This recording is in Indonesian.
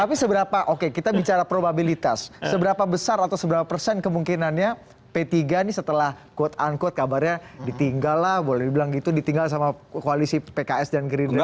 tapi seberapa oke kita bicara probabilitas seberapa besar atau seberapa persen kemungkinannya p tiga ini setelah quote unquote kabarnya ditinggal lah boleh dibilang gitu ditinggal sama koalisi pks dan gerindra